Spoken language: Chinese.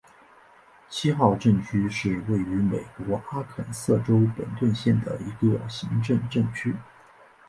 七号镇区是位于美国阿肯色州本顿县的一个行政镇区。